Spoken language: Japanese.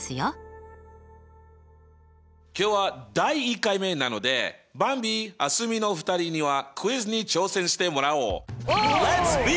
今日は第１回目なのでばんび蒼澄の２人にはクイズに挑戦してもらおう！